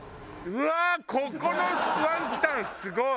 うわーここのワンタンすごい！